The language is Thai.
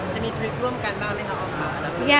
จะมีทริปร่วมกันได้ไหมค่ะออกมา